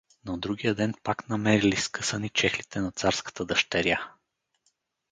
На другия ден пак намерили скъсани чехлите на царската дъщеря.